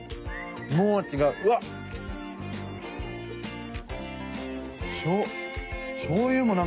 もう違う。